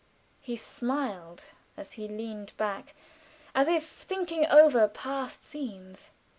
He smiled as he leaned back, as if thinking over past scenes.